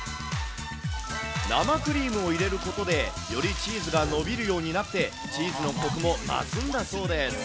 生クリームを入れることで、よりチーズがのびるようになって、チーズのこくも増すんだそうです。